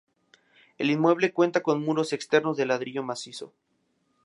El inmueble cuenta con muros externos de ladrillo macizo.